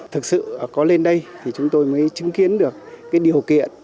thực sự có lên đây thì chúng tôi mới chứng kiến được cái điều kiện